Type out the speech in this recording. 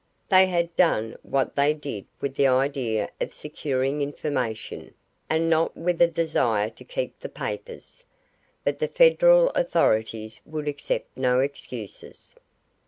They had done what they did with the idea of securing information, and not with a desire to keep the papers, but the Federal authorities would accept no excuses.